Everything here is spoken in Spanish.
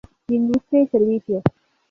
Industria y servicios.